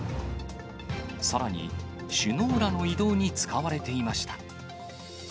さらに、首脳らの移動に使われていました。